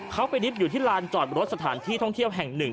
เขาไปนิดอยู่ที่ลานจอดรถสถานที่ท่องเที่ยวแห่งหนึ่ง